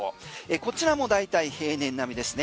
こちらも大体平年並みですね。